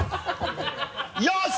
よし！